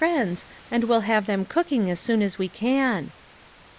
friends, and we'll have them cooking as soon as we can."